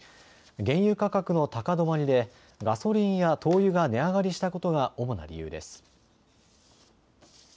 原油価格の高止まりでガソリンや灯油が値上がりしたことが主な理由です。